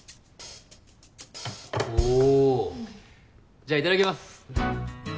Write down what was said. じゃあいただきます。